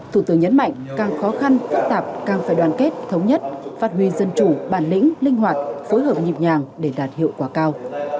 thủ tướng nhấn mạnh càng khó khăn phức tạp càng phải đoàn kết thống nhất phát huy dân chủ bản lĩnh linh hoạt phối hợp nhịp nhàng để đạt hiệu quả cao